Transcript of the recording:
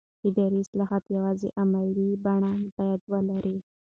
اداري اصلاحات یوازې عملي بڼه باید ولري